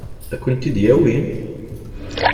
Ad kent-ten-id-yawi?